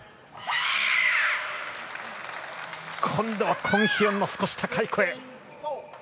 今度はコン・ヒヨンの少し高い声。